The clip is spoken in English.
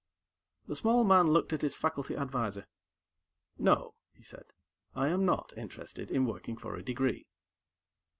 The small man looked at his faculty advisor. "No," he said. "I am not interested in working for a degree."